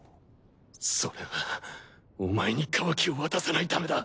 それはお前にカワキを渡さないためだ。